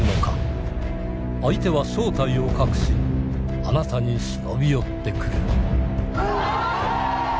相手は正体を隠しあなたに忍び寄ってくる。